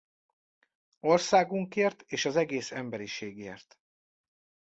Országunkért és az egész emberiségért.